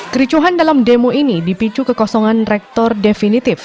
kericuhan dalam demo ini dipicu kekosongan rektor definitif